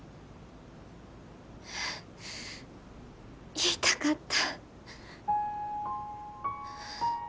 言いたかった。